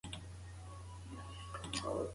که وسایل خوندي وي، پېښه نه رامنځته کېږي.